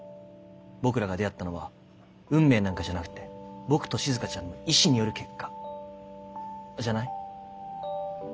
僕らが出会ったのは運命なんかじゃなくて僕としずかちゃんの意志による結果じゃない？